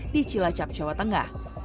di cilacap jawa tengah